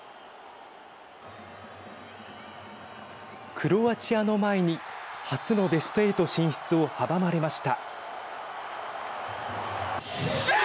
クロアチアの前に初のベスト８進出を阻まれました。